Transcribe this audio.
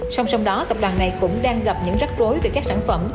song song đó tập đoàn này cũng đang gặp những rắc rối về các sản phẩm